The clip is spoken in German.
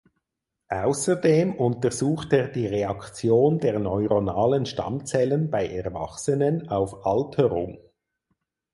Außerdem untersucht er die Reaktion der neuronalen Stammzellen bei Erwachsenen auf Alterung.